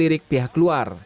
kirik pihak luar